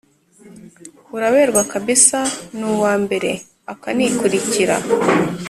uraberwa kbs ni uwambere akanikurikira”